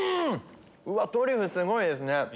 うわっトリュフすごいですね。